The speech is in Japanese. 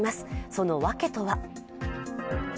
その訳とは。